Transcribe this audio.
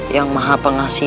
yang maha pengasih